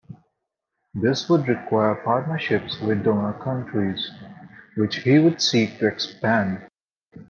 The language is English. This would require partnerships with donor countries, which he would seek to expand.